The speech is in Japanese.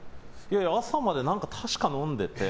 朝まで確か、飲んでて。